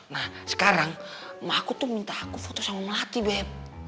nah sekarang aku tuh minta aku foto sama melati bem